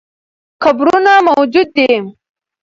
قبرونه موجود دي.